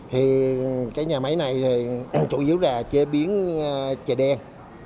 thì cái nhà máy này thì chủ yếu là chế biến trà đen